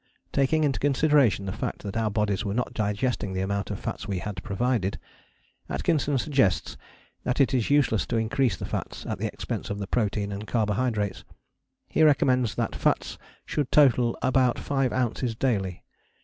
Taking into consideration the fact that our bodies were not digesting the amount of fats we had provided, Atkinson suggests that it is useless to increase the fats at the expense of the protein and carbohydrates. He recommends that fats should total about 5 ounces daily.